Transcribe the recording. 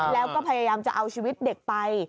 แล้วก็พยายามจะเอาชีวิตเด็กไป